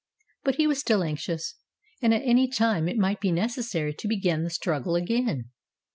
But he was still anxious; at any time it might be necessary to begin the struggle again.